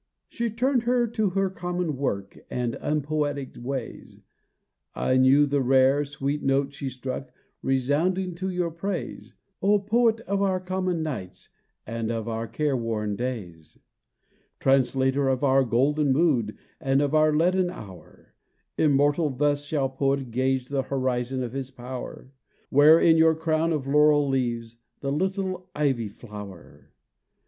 She turned her to her common work And unpoetic ways, Nor knew the rare, sweet note she struck Resounding to your praise, O Poet of our common nights, And of our care worn days! Translator of our golden mood, And of our leaden hour! Immortal thus shall poet gauge The horizon of his power. Wear in your crown of laurel leaves, The little ivy flower!